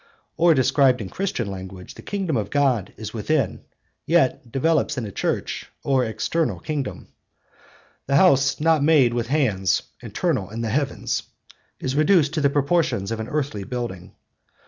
Or, described in Christian language, the kingdom of God is within, and yet developes into a Church or external kingdom; 'the house not made with hands, eternal in the heavens,' is reduced to the proportions of an earthly building.